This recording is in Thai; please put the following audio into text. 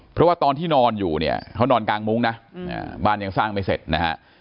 เพราะว่าตอนที่นอนอยู่เนี่ยเขานอนกลางมุ้งนะบ้านยังสร้างไม่เสร็จนะฮะ